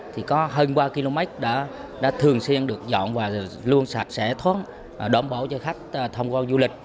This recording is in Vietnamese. thì có hơn ba km đã thường xuyên được dọn và luôn sạch sẽ thoát đồng bộ cho khách thông qua du lịch